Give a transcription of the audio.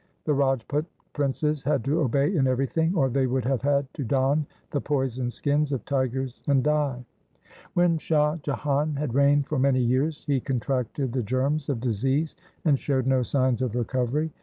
The Rajput princes had to obey in everything, or they would have had to don the poisoned skins of tigers and die. When Shah Jahan had reigned for many years, he contracted the germs of disease and showed no signs of recovery.